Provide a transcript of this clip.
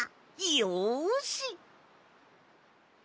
よし！